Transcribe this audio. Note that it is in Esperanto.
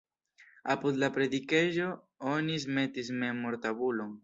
Apud la predikejo oni metis memortabulon.